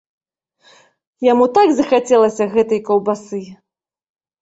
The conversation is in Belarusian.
Яму так захацелася гэтай каўбасы!